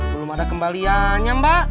belum ada kembaliannya mbak